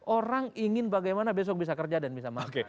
orang ingin bagaimana besok bisa kerja dan bisa makan